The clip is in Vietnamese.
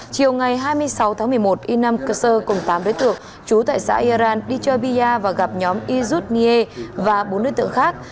chiều ngày hai mươi sáu tháng một mươi một y năm cơ sơ cùng tám đối tượng trú tại xã yaran đi chơi bia và gặp nhóm y zut nghie và bốn đối tượng khác